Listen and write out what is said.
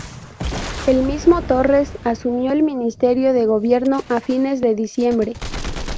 El mismo Torres asumió el ministerio de gobierno a fines de diciembre.